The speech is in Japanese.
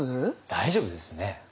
大丈夫ですよね？